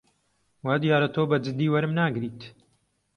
وا دیارە تۆ بە جددی وەرم ناگریت.